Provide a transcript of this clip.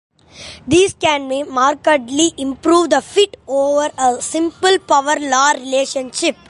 This can markedly improve the fit over a simple power-law relationship.